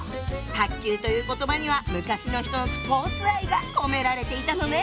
「卓球」という言葉には昔の人のスポーツ愛が込められていたのね。